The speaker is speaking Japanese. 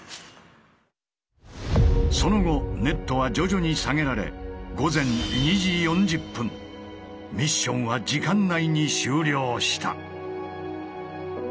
その後ネットは徐々に下げられミッションは時間内に終了した。